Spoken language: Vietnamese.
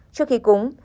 trước khi cúng